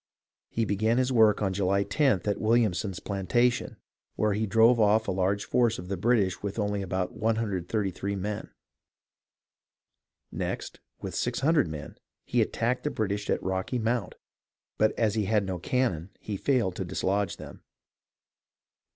He began his work July loth at Williamson's Plantation, where he drove off a large force of the British with only about 133 men. Next, with 600 men, he at tacked the British at Rocky Mount, but as he had no can non he failed to dislodge them.